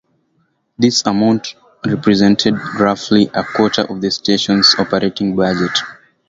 This amount represented roughly a quarter of the station's operating budget.